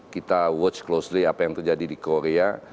kita watch closed apa yang terjadi di korea